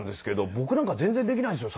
僕なんか全然できないんですよ